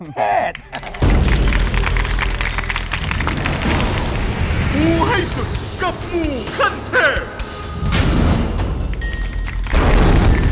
งูให้สุดกับงูขั้นเทพ